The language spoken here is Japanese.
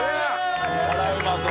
これはうまそう。